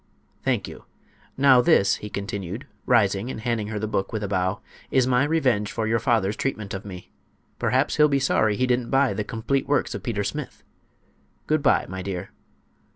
"Thank you. Now this," he continued, rising and handing her the book with a bow, "is my revenge for your father's treatment of me. Perhaps he'll be sorry he didn't buy the 'Complete Works of Peter Smith.' Good by, my dear."